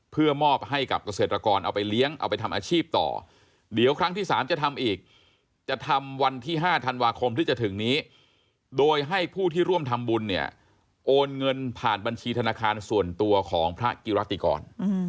เพื่อมอบให้กับเกษตรกรเอาไปเลี้ยงเอาไปทำอาชีพต่อเดี๋ยวครั้งที่๓จะทำอีกจะทำวันที่๕ธันวาคมที่จะถึงนี้โดยให้ผู้ที่ร่วมทำบุญเนี่ยโอนเงินผ่านบัญชีธนาคารส่วนตัวของพระกิรติกร